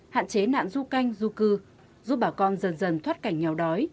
hạn chế nạn du canh du cư giúp bà con dần dần thoát cảnh nghèo đói